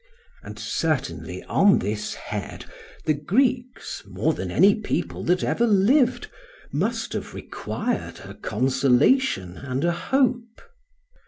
And certainly on this head the Greeks, more than any people that ever lived, must have required a consolation and a hope.